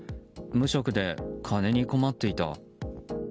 無職で金に困っていた。